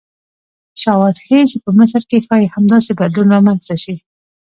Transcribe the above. شواهد ښیي چې په مصر کې ښایي همداسې بدلون رامنځته شي.